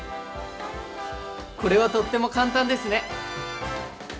これはとっても簡単ですね！